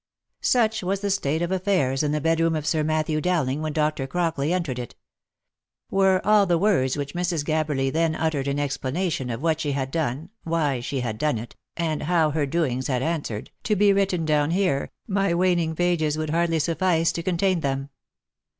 Such was the state of affairs in the bedroom of Sir Matthew Dow ling;, when Dr. Crockley entered it. Were all the words which Mrs. Gabberly then uttered in explanation of what she had done, why she had done it, and how her doings had answered, to be written down here, my waning pages would hardly suffice to contain them.